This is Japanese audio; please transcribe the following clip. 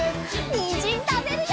にんじんたべるよ！